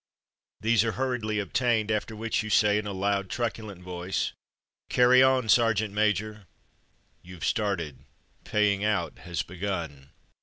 " These are hurriedly obtained, after which you say, in a loud, truculent voice : "Carry on, sergeant major/' YouVe started; paying out has begun.